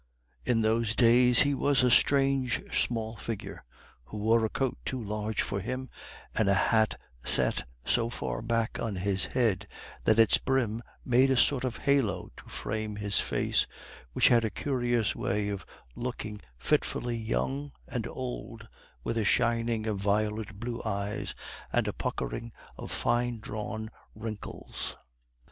In those days he was a strange, small figure, who wore a coat too large for him, and a hat set so far back on his head that its brim made a sort of halo to frame his face, which had a curious way of looking fitfully young and old, with a shining of violet blue eyes and a puckering of fine drawn wrinkles.